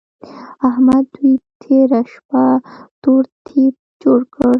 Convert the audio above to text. احمد دوی تېره شپه تور تيپ جوړ کړ.